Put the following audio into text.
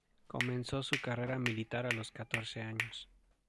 Comenzó su carrera militar a los catorce años.